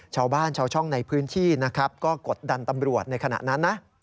ชาวบ้านชาวช่องในพื้นที่นะครับก็กดดันตำรวจในขณะนั้นนะ